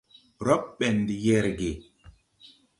Rɔ́b ɓɛ̀n de yɛrgɛ̀.